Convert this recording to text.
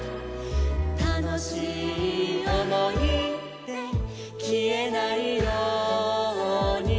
「たのしいおもいできえないように」